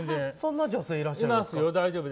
そんな女性いらっしゃいますか？